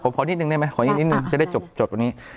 ผมขอนิดนึงได้ไหมขออีกนิดนึงจะได้จบตรงนี้